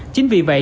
chính vì vậy